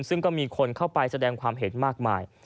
ซึ่งก็มีคนเข้าไปแสดงความเห็นมากมาย